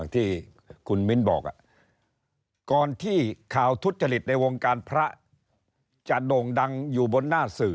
ที่ครุ่มินบอกว่าก่อนที่ข่าวทุจริตในวงการพระกระทรวงศึกษาที่ต่างอยู่บนหน้าสื่อ